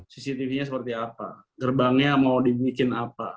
cctv nya seperti apa gerbangnya mau dibikin apa